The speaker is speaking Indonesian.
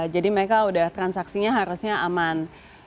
jadi mereka sudah transaksinya harusnya aman